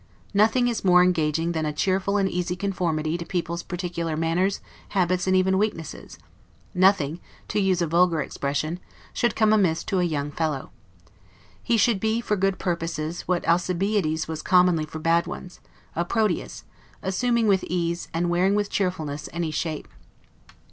Nothing is more engaging than a cheerful and easy conformity to people's particular manners, habits, and even weaknesses; nothing (to use a vulgar expression) should come amiss to a young fellow. He should be, for good purposes, what Alcibiades was commonly for bad ones, a Proteus, assuming with ease, and wearing with cheerfulness, any shape.